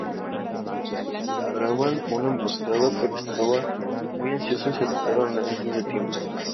Preparaban una emboscada, pero estaban muy ansiosos y atacaron antes de tiempo.